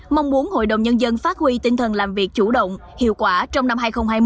mong muốn hội đồng nhân dân phát huy tinh thần làm việc chủ động hiệu quả trong năm hai nghìn hai mươi